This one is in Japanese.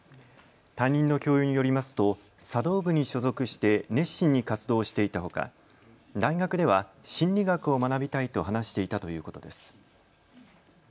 担任の教諭によりますと茶道部に所属して熱心に活動していたほか大学では心理学を学びたいと話していたということです。